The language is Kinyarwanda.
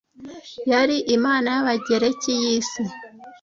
yari imana y'Abagereki y'isi